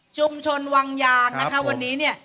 วังยางนะคะวันนี้เนี่ย